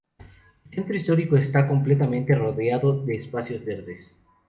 El centro histórico está completamente rodeado de espacios verdes.